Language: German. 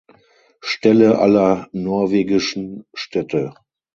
Stelle aller norwegischen Städte.